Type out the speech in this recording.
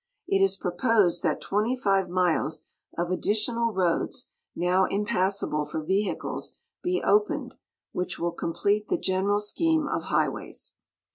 It is proposed that 25 miles of additional roads, now impassable for ve hicles, be opened, which will complete the general scheme of highways.